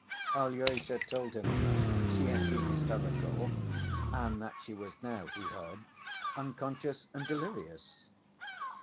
Alyosha told him she had been hysterical, and that she was now, he heard, unconscious and delirious.